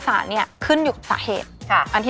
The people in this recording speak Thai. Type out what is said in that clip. แม่เลยหัวลาใส